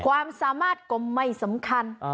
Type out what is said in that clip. ความสามารถก็ไม่สำคัญ